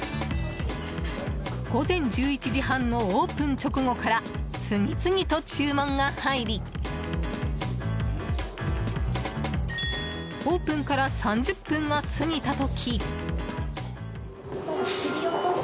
午前１１時半のオープン直後から次々と注文が入りオープンから３０分が過ぎた時。